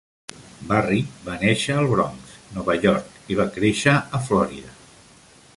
Barry va néixer al Bronx, Nova York, i va créixer a Florida.